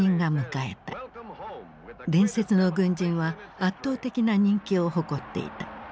伝説の軍人は圧倒的な人気を誇っていた。